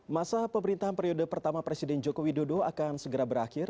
masa pemerintahan periode pertama presiden joko widodo akan segera berakhir